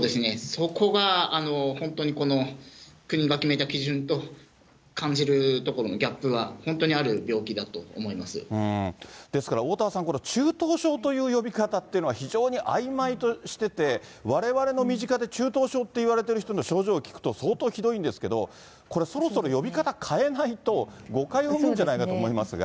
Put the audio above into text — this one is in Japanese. そこが本当にこの国が決めた基準と感じるところのギャップが本当ですからおおたわさん、これ、中等症という呼び方っていうのは、非常にあいまいとしてて、われわれの身近で中等症といわれてる人の症状を聞くと、相当ひどいんですけど、これ、そろそろ呼び方変えないと、誤解を生むんじゃないかと思いますが。